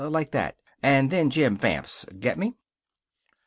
Like that. And then Jim vamps. Get me?"